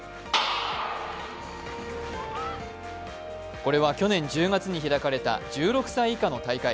これは去年１０月に開かれた１６歳以下の大会。